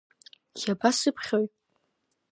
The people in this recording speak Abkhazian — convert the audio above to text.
Иаба сыԥхьои?